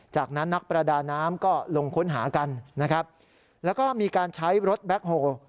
จากนั้นนักประดาน้ำก็ลงค้นหากันนะครับแล้วก็มีการใช้รถแบ็คโฮล